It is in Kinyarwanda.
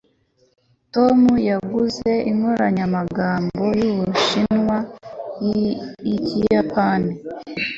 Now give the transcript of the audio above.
tom yaguze inkoranyamagambo y'ubushinwa-ikiyapani